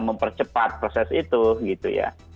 mempercepat proses itu gitu ya